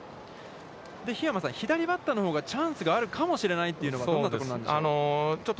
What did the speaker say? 桧山さん、左バッターのほうが、チャンスがあるかもしれないというのは、どんなところなんでしょうか。